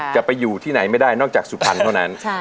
จะไปอยู่ที่ไหนไม่ได้นอกจากสุพรรณเท่านั้น